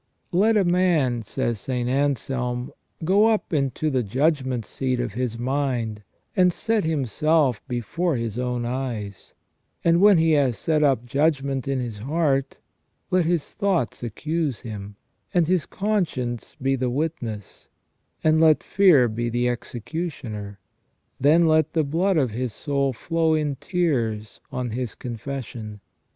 " Let a man," says St. Anselm, " go up into the judgment seat of his mind, and set himself before his own eyes ; and when he has set up judgment in his heart, let his thoughts accuse him, and his conscience be the witness ; and let fear be the executioner. Then let the blood of his soul flow in tears on his confession.